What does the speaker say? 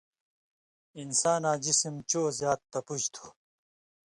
انساناں جِسِم چو زات تپُژ تُھو